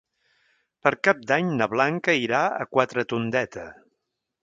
Per Cap d'Any na Blanca irà a Quatretondeta.